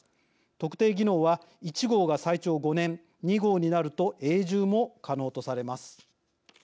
特定技能は１号が最長５年２号になると永住も可能とされます。